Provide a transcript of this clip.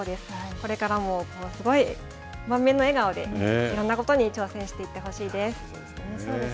これからもすごい満面の笑顔で、いろんなことに挑戦していってほしいです。